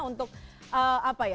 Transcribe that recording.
untuk mengadakan sholat di sana